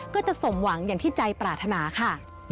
ก็จะสมหวังอย่างที่ใจปรารถนาค่ะ